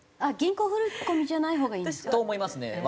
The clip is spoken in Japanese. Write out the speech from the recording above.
あっ銀行振り込みじゃないほうがいい？と思いますね。